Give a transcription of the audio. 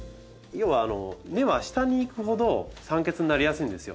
要は根は下にいくほど酸欠になりやすいんですよ。